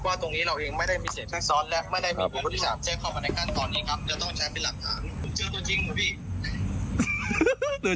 ตรงนี้เราเองไม่ได้มีเศษแทรกซ้อนและไม่ได้มีตัวรถที่สามแจ้งเข้ามาในขั้นตอนนี้ครับจะต้องใช้เป็นหลักฐานผมเจอตัวจริงเหรอพี่